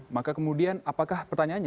maka kemudian apakah pertanyaannya